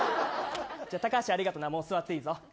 高橋ありがとうなもう座っていいぞ。